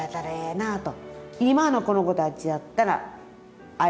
今のこの子たちやったら愛を持って。